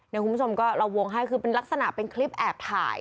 คุณผู้ชมก็เราวงให้คือเป็นลักษณะเป็นคลิปแอบถ่าย